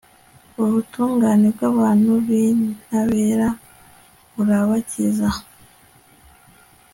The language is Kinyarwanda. ubutungane bw'abantu b'intabera burabakiza